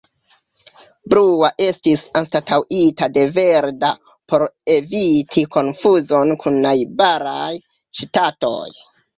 Blua estis anstataŭita de verda por eviti konfuzon kun najbaraj ŝtatoj.